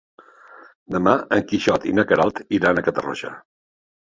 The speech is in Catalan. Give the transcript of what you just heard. Demà en Quixot i na Queralt iran a Catarroja.